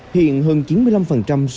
hiện hơn chín mươi năm số phòng nghỉ